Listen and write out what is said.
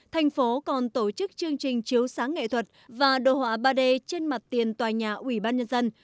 thành phố còn tổ chức chương trình chiếu sáng nghệ thuật và đồ họa ba d trên mặt tiền tòa nhà ủy ban nhân dân